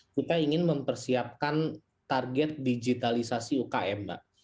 kita ingin mempersiapkan target digitalisasi ukm mbak